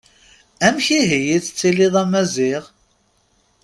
Amek ihi i tettiliḍ a Maziɣ?